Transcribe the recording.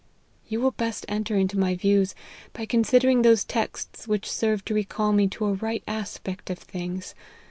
" You will best enter into my views by considering those texts which serve to recall me to a right aspect of things.